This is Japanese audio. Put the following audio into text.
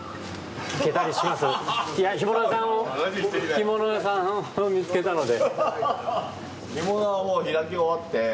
干物屋さんを見つけたので。